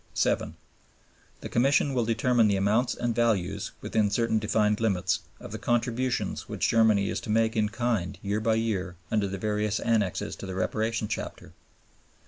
7. The Commission will determine the amounts and values (within certain defined limits) of the contributions which Germany is to make in kind year by year under the various Annexes to the Reparation Chapter.